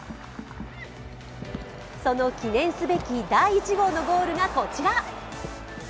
その記念すべき第１号のゴールがこちら。